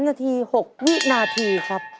นาที๖วินาทีครับ